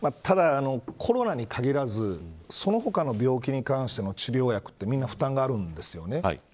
コロナに限らず、その他の病気に関しての治療薬はみんな負担があります。